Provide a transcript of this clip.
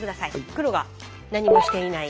黒が何もしていない。